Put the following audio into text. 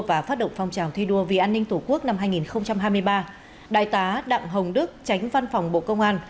và phát động phong trào thi đua vì an ninh tổ quốc năm hai nghìn hai mươi ba đại tá đặng hồng đức tránh văn phòng bộ công an